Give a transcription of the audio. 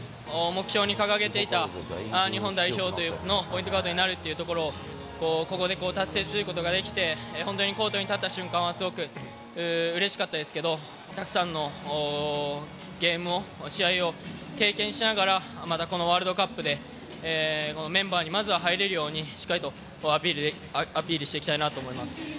目標に掲げていた、日本代表のポイントガードになるっていうところを、ここで達成することができて、本当にコートに立った瞬間は、すごくうれしかったですけど、たくさんのゲームを、試合を経験しながら、またこのワールドカップでメンバーにまずは入れるように、しっかりとアピールしていきたいなと思います。